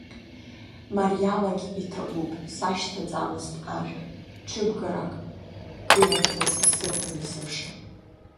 Мариалагь иҭабуп сашьҭаӡамызт ажәа, ҿыбгараҿ гыларҭас исықәын есымша.